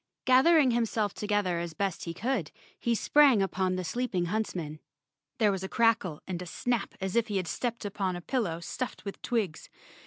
Gathering himself together as best he could, he sprang upon the sleeping hunts¬ man. There was a crackle and snap as if he had stepped upon a pillow stuffed with twigs.